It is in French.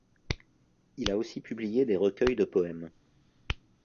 Il a aussi publié des recueils de poèmes.